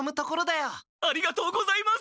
ありがとうございます！